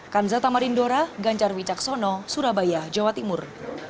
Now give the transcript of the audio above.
kamsa tamarindora ganjar wijaksono surabaya jawa timur